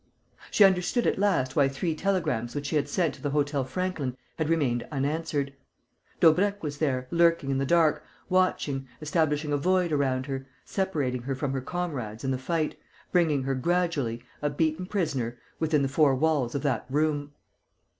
She understood at last why three telegrams which she had sent to the Hôtel Franklin had remained unanswered. Daubrecq was there, lurking in the dark, watching, establishing a void around her, separating her from her comrades in the fight, bringing her gradually, a beaten prisoner, within the four walls of that room.